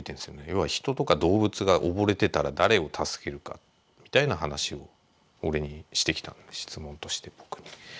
要は人とか動物が溺れてたら誰を助けるかみたいな話を俺にしてきた質問として僕に。